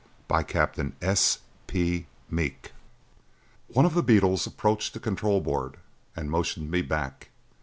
One of the beetles approached the control board and motioned me back.